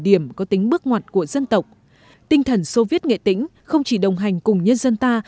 điểm có tính bước ngoặt của dân tộc tinh thần soviet nghệ tĩnh không chỉ đồng hành cùng nhân dân ta